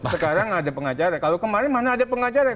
sekarang ada pengacara kalau kemarin mana ada pengacara